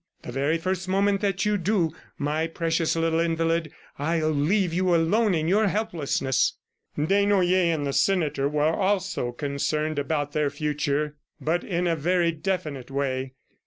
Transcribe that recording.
The very first moment that you do, my precious little invalid, I'll leave you alone in your helplessness!" Desnoyers and the senator were also concerned about their future, but in a very definite way.